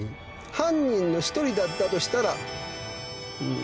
犯人の一人だったとしたらんー